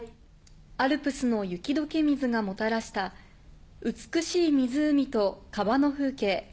アルプスの雪解け水がもたらした美しい湖と川の風景。